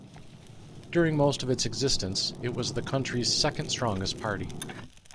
During most of its existence, it was the country's second-strongest party.